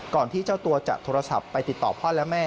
ที่เจ้าตัวจะโทรศัพท์ไปติดต่อพ่อและแม่